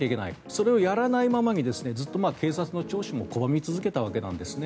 それをやらないままにずっと警察の聴取も拒み続けたわけなんですね。